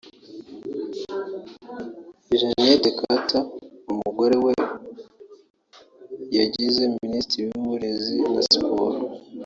ni Janet Kataaha umugore we yagize Minisitiri w’Uburezi na Siporo